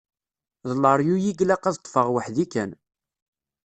D leryuy i ilaq ad ṭṭfeɣ weḥd-i kan.